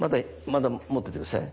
まだ持ってて下さい。